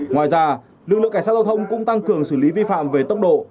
ngoài ra lực lượng cảnh sát giao thông cũng tăng cường xử lý vi phạm về tốc độ